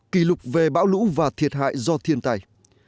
kỷ lục về bão lũ và thiệt hại do thiên tai